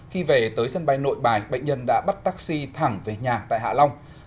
khi về tới sân bay nội bài bệnh nhân đã bắt taxi thẳng về nhà tại hạ long